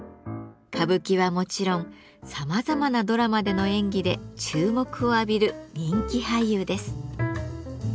歌舞伎はもちろんさまざまなドラマでの演技で注目を浴びる人気俳優です。